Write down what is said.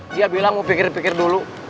dia bilang mau pikir pikir dulu